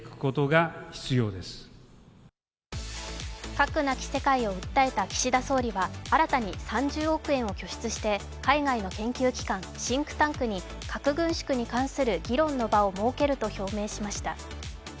核なき世界を訴えた岸田総理は新たに３０億円を拠出して海外の研究機関、シンクタンクに核軍縮に関する議論の場を設けると表明しました。